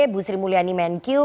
busri mulyani menkyu